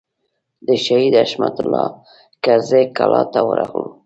د شهید حشمت الله کرزي کلا ته ورغلو.